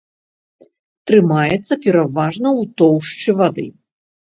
Трымаецца пераважна ў тоўшчы вады.